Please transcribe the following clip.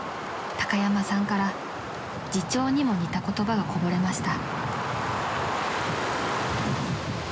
高山さんから自嘲にも似た言葉がこぼれました］